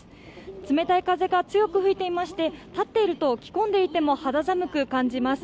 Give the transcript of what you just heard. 冷たい風が強く吹いていまして立っていると、着込んでいても肌寒く感じます。